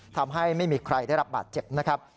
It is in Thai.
ทำให้ไม่มีใครได้รับบาดเจ็บนะครับ